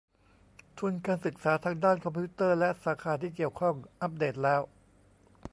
ทุนการศึกษาทางด้านคอมพิวเตอร์และสาขาที่เกี่ยวข้อง อัปเดตแล้ว